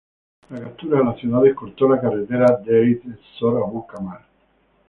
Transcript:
La captura de las ciudades cortó la carretera Deir ez-Zor-Abu Kamal.